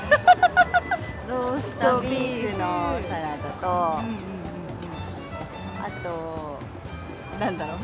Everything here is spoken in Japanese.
ローストビーフのサラダと、あと、なんだろう。